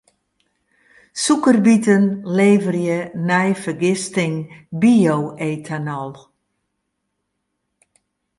Sûkerbiten leverje nei fergisting bio-etanol.